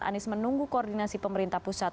anies menunggu koordinasi pemerintah pusat